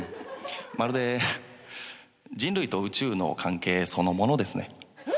まるで人類と宇宙の関係そのものですね。